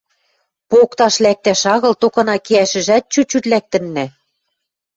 Покташ лӓктӓш агыл, токына кеӓшӹжӓт чуть-чуть лӓктӹннӓ...